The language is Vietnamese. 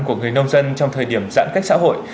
của người nông dân trong thời điểm giãn cách xã hội